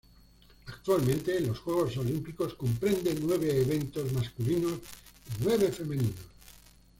Actualmente, en los Juegos Olímpicos, comprende nueve eventos masculinos y nueve femeninos.